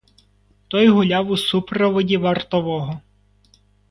Той гуляв у супроводі вартового.